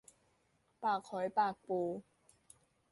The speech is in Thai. ปากหอยปากปู